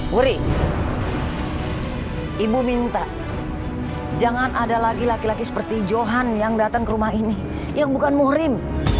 wuri ibu minta jangan ada lagi laki laki seperti johan yang datang ke rumah ini yang bukan muhrim